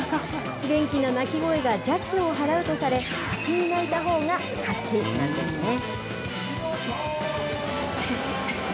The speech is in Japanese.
元気な泣き声が邪気を払うとされ、先に泣いたほうが勝ちなんですね。